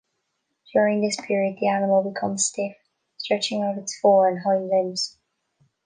During this period the animal becomes stiff, stretching out its fore and hind limbs.